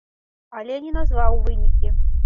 Але не назваў вынікі.